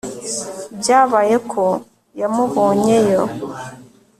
Byabaye ko yamubonyeyo